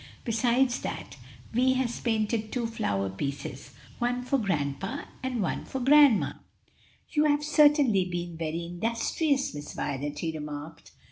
Besides that, Vi has painted two flower pieces; one for grandpa and one for grandma." "You have certainly been very industrious, Miss Violet," he remarked.